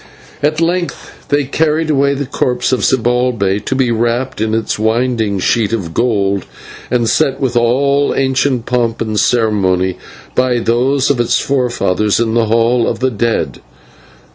At length they carried away the corpse of Zibalbay to be wrapped in its winding sheet of gold and set with all ancient pomp and ceremony by those of its forefathers in the Hall of the Dead.